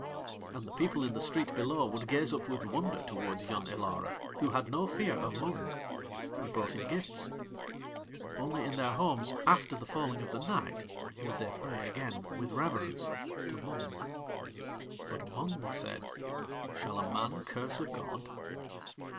And the people in the street below would gaze up with wonder towards Yun Ilara, who had no fear of Mung, and brought him gifts; only in their homes after the falling of the night would they pray again with reverence to Mung. But Mung said: "Shall a man curse a god?"